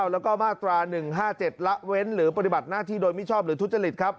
แล้วก็มาตรา๑๕๗ละเว้นหรือปฏิบัติหน้าที่โดยมิชอบหรือทุจริตครับ